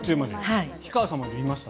氷川さんまで見ました？